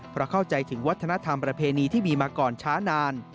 เพราะเข้าใจถึงวัฒนธรรมประเพณีที่มีมาก่อนช้านาน